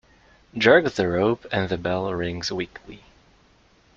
Jerk the rope and the bell rings weakly.